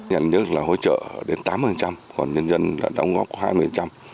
nhân dân là hỗ trợ đến tám mươi còn nhân dân là đóng góp hai mươi